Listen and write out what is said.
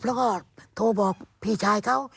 แล้วก็โทรบอกพี่ชายเขา